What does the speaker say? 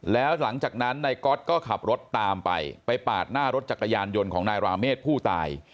แล้วหลังจากนั้นนายก๊อตก็ขับรถตามไปไปปาดหน้ารถจักรยานยนต์ของนายราเมฆผู้ตาย